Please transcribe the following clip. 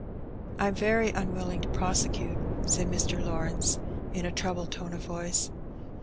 "I'm very unwilling to prosecute," said Mr. Lawrence in a troubled tone of voice.